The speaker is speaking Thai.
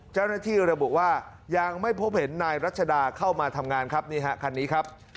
เจ้านักหน้าที่ระบุว่ายังไม่พบเห็นนายรัชดาเข้ามาทำงานครับ